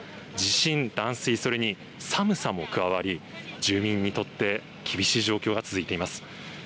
地震、断水、それに寒さも加わり住民にとって厳しい状況が続いています。